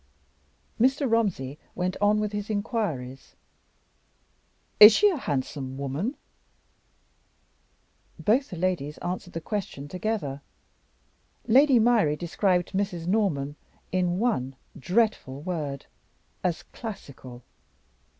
Mr. Romsey went on with his inquiries. "Is she a handsome woman?" Both the ladies answered the question together. Lady Myrie described Mrs. Norman, in one dreadful word, as "Classical."